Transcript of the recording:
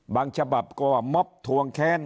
บางฉบับก็ว่าม็อบทวงแค่นี้